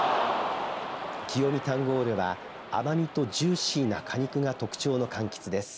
清見タンゴールは甘味とジューシーな果肉が特徴のかんきつです。